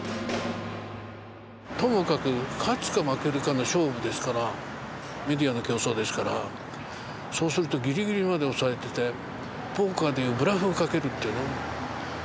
ともかく勝つか負けるかの勝負ですからメディアの競争ですからそうするとギリギリまで押さえててポーカーでいうブラフをかけるっていうの？